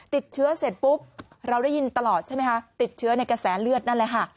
ติดเชื้อเสร็จปุ๊บเราได้ยินตลอดใช่ไหมคะติดเชื้อในกระแสเลือดนั่นแหละค่ะ